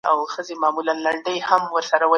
هغه سفر کوي